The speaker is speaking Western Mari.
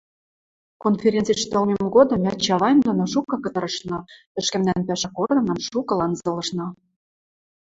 Конференциштӹ ылмем годым мӓ Чавайн доно шукы кытырышна, ӹшкӹмнӓн пӓшӓ корнынам шукы ланзылышна.